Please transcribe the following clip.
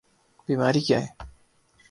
بیماری کیا ہے؟